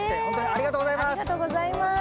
ありがとうございます。